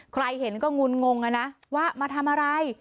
ใครเห็นก็งุนงงอะนะว่ามาทำอะไร